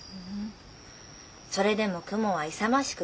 それでも雲は勇ましく